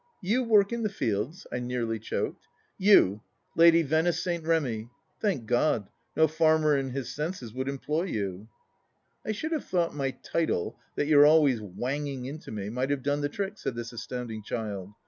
" You work in the fields 1 " I nearly choked. " You, Lady Venice St. Remy 1 Thank Grod, no fanner in his senses would employ you." " I should have thought my title, that you're always wanging into me, might have done the trick," said this astounding child.